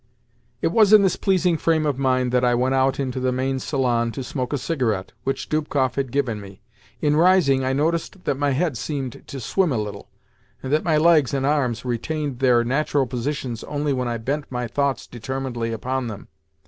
It was in this pleasing frame of mind that I went out into the main salon to smoke a cigarette which Dubkoff had given me. In rising I noticed that my head seemed to swim a little, and that my legs and arms retained their natural positions only when I bent my thoughts determinedly upon them.